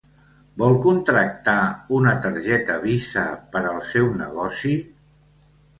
Vol contractar una targeta Visa per al seu negoci?